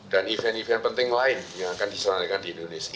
dan event event penting lain yang akan diselanjutkan di indonesia